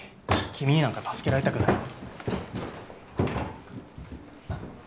君になんか助けられたくない。